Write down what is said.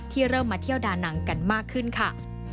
เริ่มมาเที่ยวดานังกันมากขึ้นค่ะ